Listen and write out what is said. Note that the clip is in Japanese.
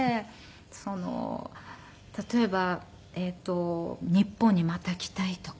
例えば日本にまた来たいとか。